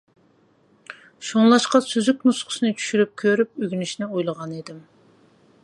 شۇڭلاشقا سۈزۈك نۇسخىسىنى چۈشۈرۈپ كۆرۈپ ئۆگىنىشنى ئويلىغان ئىدىم.